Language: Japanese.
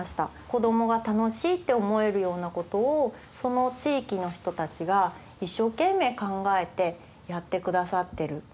子どもが楽しいって思えるようなことをその地域の人たちが一生懸命考えてやってくださってる。